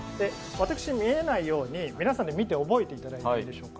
私に見えないように皆さんで見て覚えていただいてよろしいでしょうか。